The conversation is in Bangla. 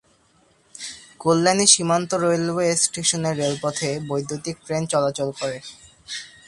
কল্যাণী সীমান্ত রেলওয়ে স্টেশনের রেলপথে বৈদ্যুতীক ট্রেন চলাচল করে।